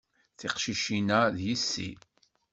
Tiqcicin-a d yessi.